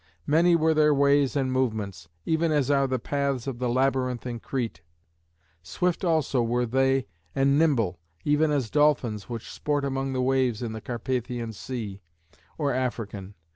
Many were their ways and movements, even as are the paths of the Labyrinth in Crete. Swift also were they and nimble, even as dolphins which sport among the waves in the Carpathian Sea or African.